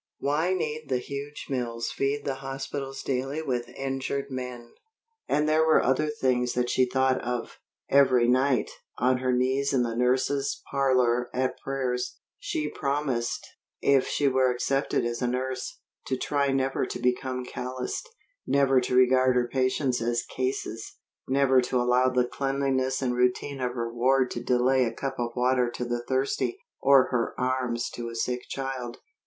Why need the huge mills feed the hospitals daily with injured men? And there were other things that she thought of. Every night, on her knees in the nurses' parlor at prayers, she promised, if she were accepted as a nurse, to try never to become calloused, never to regard her patients as "cases," never to allow the cleanliness and routine of her ward to delay a cup of water to the thirsty, or her arms to a sick child.